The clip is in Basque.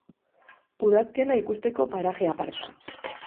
Udazkena ikusteko paraje aparta.